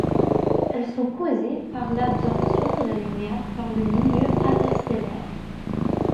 Elles sont causées par l'absorption de la lumière par le milieu interstellaire.